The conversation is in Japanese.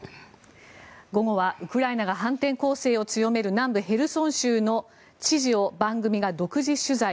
午後はウクライナが反転攻勢を強める南部ヘルソン州の知事を番組が独自取材。